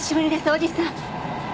おじさん。